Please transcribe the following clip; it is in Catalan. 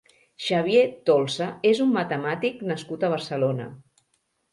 Xavier Tolsa és un matemàtic nascut a Barcelona.